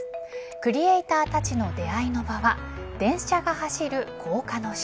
クリエイターたちの出会いの場は電車が走る高架の下。